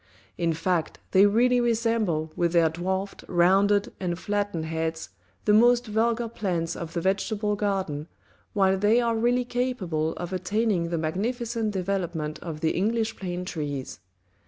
In fact they really resemble with their dwarfed, rounded and flattened heads the most vulgar plants of the vegetable garden, while they are really capable of attaining the magnificent development of the English plane trees.